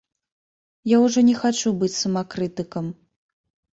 Я ўжо не хачу быць самакрытыкам.